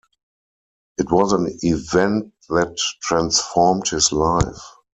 It was an event that transformed his life.